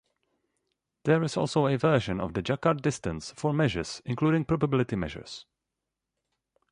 There is also a version of the Jaccard distance for measures, including probability measures.